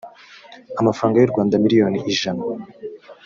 amafaranga y u rwanda miliyoni ijana